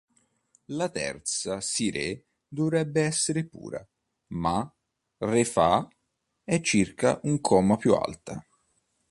La terza Si♭-Re dovrebbe essere pura, ma Re-Fa♯ è circa un comma più alta.